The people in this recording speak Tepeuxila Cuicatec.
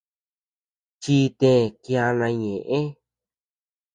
Chitee kiana ñeʼë.